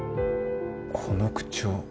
この口調